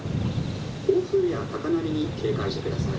暴風や高波に警戒して下さい」。